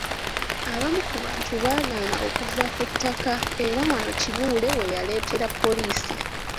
Abamu ku bantu baagaana okuva ku ttaka era wano Kibuule we yaleetera poliisi.